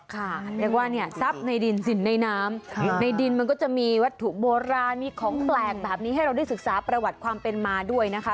เรียกว่าเนี่ยทรัพย์ในดินสินในน้ำในดินมันก็จะมีวัตถุโบราณมีของแปลกแบบนี้ให้เราได้ศึกษาประวัติความเป็นมาด้วยนะคะ